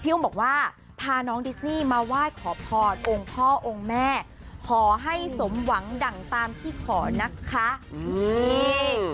อุ้มบอกว่าพาน้องดิสนี่มาไหว้ขอพรองค์พ่อองค์แม่ขอให้สมหวังดั่งตามที่ขอนะคะนี่